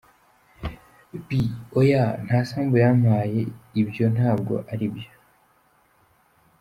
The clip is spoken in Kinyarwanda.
B: Oya nta sambu yampaye, ibyo ntabwo ari byo.